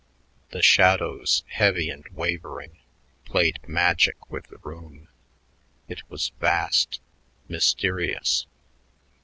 The shadows, heavy and wavering, played magic with the room; it was vast, mysterious.